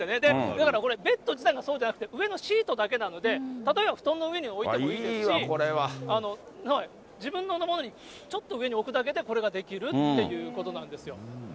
だからこれ、ベッド自体がそうじゃなくて、上のシートだけなんで、例えば布団の上に置いてもいいですし、自分のものに、ちょっと上に置くだけでこれができるっていうことなんですよ。